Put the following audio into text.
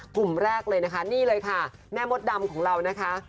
กลุ่มแรกเลยนะคะนี่เลยค่ะแม่มดดำของเรานะคะ